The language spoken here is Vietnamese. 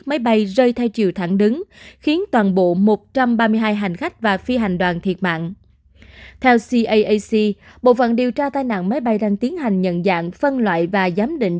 theo caac bộ phận điều tra tai nạn máy bay đang tiến hành nhận dạng phân loại và giám định